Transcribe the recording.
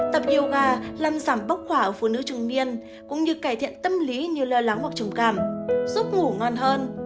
tập yoga làm giảm bốc khỏa ở phụ nữ trang niên cũng như cải thiện tâm lý như lo lắng hoặc trầm cảm giúp ngủ ngon hơn